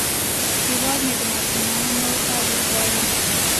هیواد مې د ماشومانو تعلیم غواړي